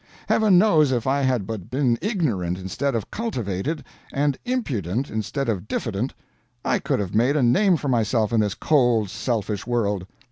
Heaven knows if I had but been ignorant instead of cultivated, and impudent instead of diffident, I could have made a name for myself in this cold, selfish world.